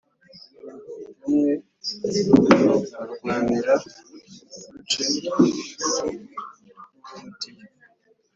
Rumwe barwanira uduce tw' ungutiya